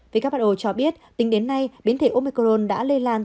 who cho biết tính đến nay biến thể omicron đã lây lan